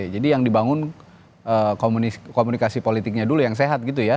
jadi yang dibangun komunikasi politiknya dulu yang sehat gitu ya